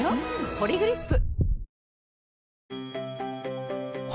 「ポリグリップ」